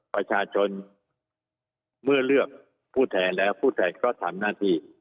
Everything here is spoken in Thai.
ประชาชนเมื่อเลือกผู้แทนแล้วผู้แทนก็ทำหน้าที่